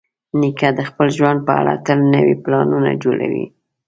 نیکه د خپل ژوند په اړه تل نوي پلانونه جوړوي.